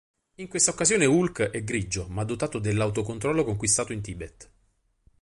In questa occasione Hulk è grigio ma dotato dell'autocontrollo conquistato in Tibet.